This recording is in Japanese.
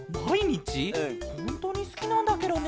ほんとにすきなんだケロね。